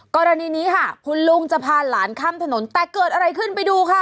กรณีนี้ค่ะคุณลุงจะพาหลานข้ามถนนแต่เกิดอะไรขึ้นไปดูค่ะ